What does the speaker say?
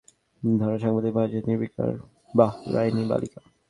তবে ক্যামেরার মুহুর্মুহু ফ্লাশ কিংবা ঘিরে ধরা সংবাদকর্মীদের মাঝেও নির্বিকার বাহরাইনি বালিকা।